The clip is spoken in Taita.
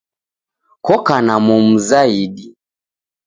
Koka na momu zaidi